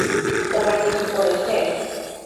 তোমার কিছু পড়েছে।